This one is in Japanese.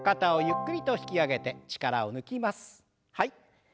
ゆっくりと引き上げて。